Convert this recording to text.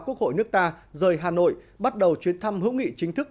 quốc hội nước ta rời hà nội bắt đầu chuyến thăm hữu nghị chính thức